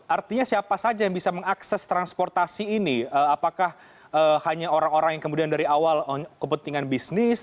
artinya siapa saja yang bisa mengakses transportasi ini apakah hanya orang orang yang kemudian dari awal kepentingan bisnis